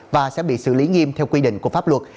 và sẽ bị xử lý nghiêm theo quy định của pháp luật